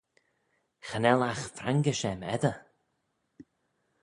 Cha nel agh frangish aym, edyr.